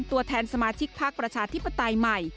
ตัวแทนสมาชิกพักประชาธิปไตยใหม่